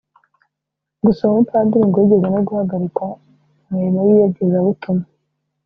Gusa uwo mupadiri ngo yigeze no guhagarikwa mu mirimo y’iyogezabutumwa